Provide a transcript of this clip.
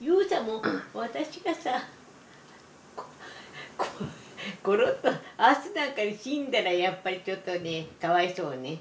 裕さんも私がさコロッと明日なんかに死んだらやっぱりちょっとねかわいそうね。